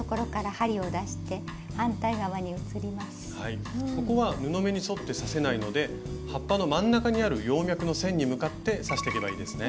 はいここは布目に沿って刺せないので葉っぱの真ん中にある葉脈の線に向かって刺していけばいいですね。